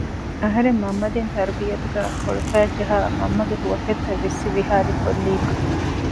އަހަރެން މަންމަ ދިން ތަރުބިއްޔަތުގައި ކޮޅުފައިންޖަހާ މަންމަގެ ހުވަފެންތައް ވިއްސި ވިހާލި ކޮއްލީމަ